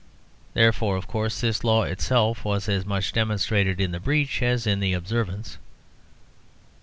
Therefore, of course, this law itself was as much demonstrated in the breach as in the observance.